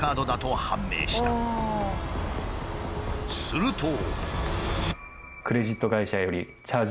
すると。